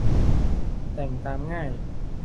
แต่งตามง่าย